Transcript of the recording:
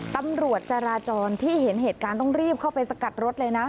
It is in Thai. ตำรวจจราจรที่เห็นเหตุการณ์ต้องรีบเข้าไปสกัดรถเลยนะ